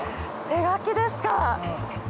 手描きですか？